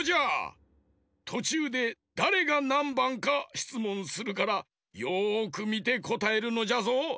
とちゅうでだれがなんばんかしつもんするからよくみてこたえるのじゃぞ！